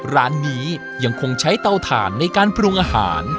ร้านนี้ยังคงใช้เตาถ่านในการปรุงอาหาร